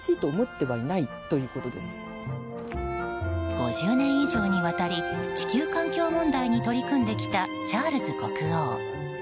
５０年以上にわたり地球環境問題に取り組んできたチャールズ国王。